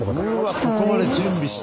ここまで準備して？